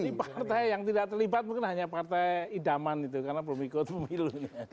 ini partai yang tidak terlibat mungkin hanya partai idaman itu karena belum ikut pemilu